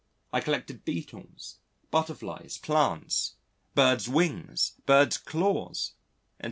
I collected Beetles, Butterflies, plants, Birds' wings, Birds' claws, etc.